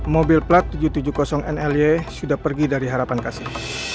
mobil plat tujuh ratus tujuh puluh nly sudah pergi dari harapan kasim